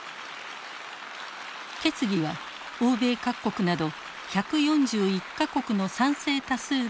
決議は欧米各国など１４１か国の賛成多数で採択。